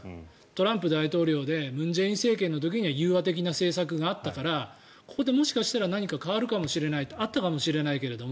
トランプ大統領で文在寅政権の時には融和的な政策があったからここでもしかしたら何か変わるかもしれないってあったかもしれないけど